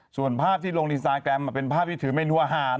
ส่วนภาพที่ลงอินสตาแกรมเป็นภาพที่ถือเมนูอาหาร